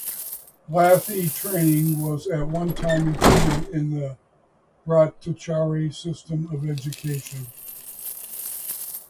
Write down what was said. Lathi training was at one time included in the Bratachari system of education.